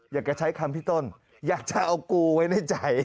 อยากจะใช้คำพี่ต้นอยากจะเอากูไว้ในใจ